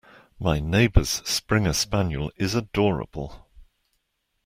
My neighbour’s springer spaniel is adorable